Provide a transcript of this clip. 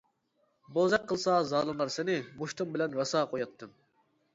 بوزەك قىلسا زالىملار سېنى، مۇشتۇم بىلەن راسا قوياتتىم.